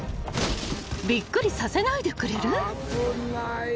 びっくりさせないでくれる？］